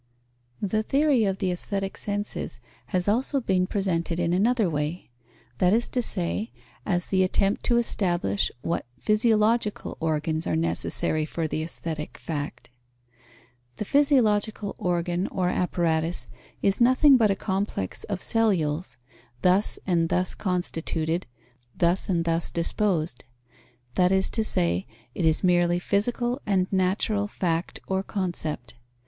The theory of the aesthetic senses has also been presented in another way; that is to say, as the attempt to establish what physiological organs are necessary for the aesthetic fact. The physiological organ or apparatus is nothing but a complex of cellules, thus and thus constituted, thus and thus disposed; that is to say, it is merely physical and natural fact or concept.